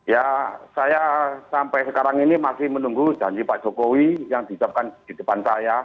ya saya sampai sekarang ini masih menunggu janji pak jokowi yang diucapkan di depan saya